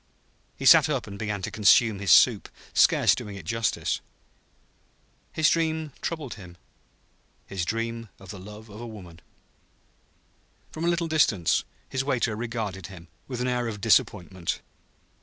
He sat up and began to consume his soup, scarce doing it justice. His dream troubled him his dream of the love of woman. From a little distance his waiter regarded him, with an air of disappointment.